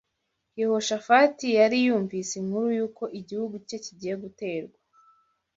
Yehoshafati yari yumvise inkuru y’uko igihugu cye kigiye guterwa